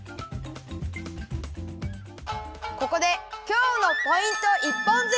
ここで今日のポイント一本釣り！